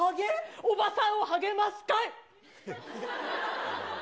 おばさんを励ます会？